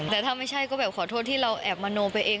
แต่ถ้าไม่ใช่ก็แบบขอโทษที่เราแอบมโนไปเอง